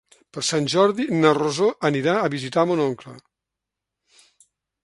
Per Sant Jordi na Rosó anirà a visitar mon oncle.